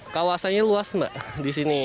kawasannya luas mbak di sini